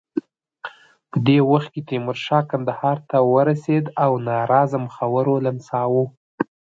په دې وخت کې تیمورشاه کندهار ته ورسېد او ناراضه مخورو لمساوه.